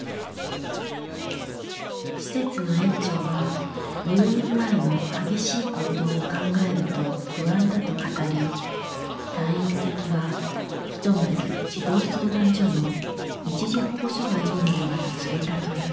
施設の園長は入院前の激しい行動を考えると不安だと語り「退院先はひとまず児童相談所の一時保護所がいいのでは」と告げたという。